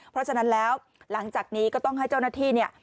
เพราะฉะนั้นแล้วหลังจากนี้ก็ต้องให้เจ้าหน้าที่เนี่ย